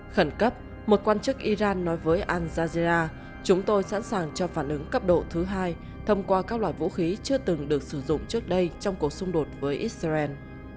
khẩn cấp một quan chức iran nói với al jazera chúng tôi sẵn sàng cho phản ứng cấp độ thứ hai thông qua các loại vũ khí chưa từng được sử dụng trước đây trong cuộc xung đột với israel